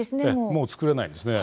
もう作れないんですね。